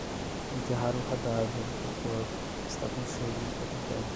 Enterraram o cadáver, o corpo. Está com cheiro de podridão